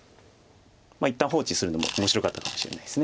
一旦放置するのも面白かったかもしれないです。